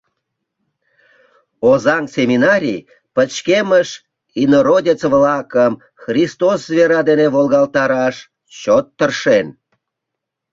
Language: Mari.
Озаҥ семинарий пычкемыш «инородец-влакым» христос вера дене «волгалтараш» чот тыршен.